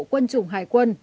quân chủng hải quân